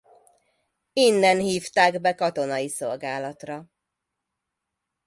Innen hívták be katonai szolgálatra.